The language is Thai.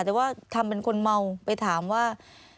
แต่ว่าทำเป็นคนเมาไปถามว่า